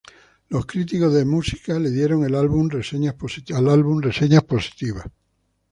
Los críticos de música le dieron al álbum reseñas positivas.